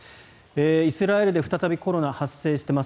イスラエルで再びコロナが発生しています。